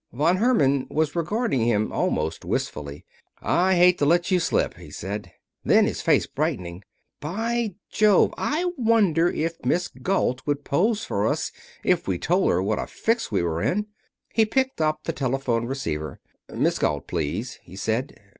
Von Herman was regarding him almost wistfully. "I hate to let you slip," he said. Then, his face brightening, "By Jove! I wonder if Miss Galt would pose for us if we told her what a fix we were in." He picked up the telephone receiver. "Miss Galt, please," he said.